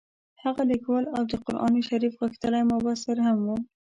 هغه لیکوال او د قران شریف غښتلی مبصر هم وو.